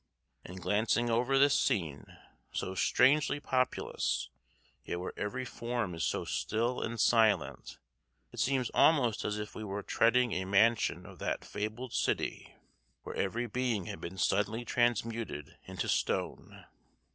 In glancing over this scene, so strangely populous, yet where every form is so still and silent, it seems almost as if we were treading a mansion of that fabled city where every being had been suddenly transmuted into stone.